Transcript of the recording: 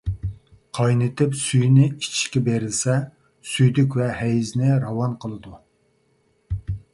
قاينىتىپ سۈيىنى ئىچىشكە بېرىلسە، سۈيدۈك ۋە ھەيزنى راۋان قىلىدۇ.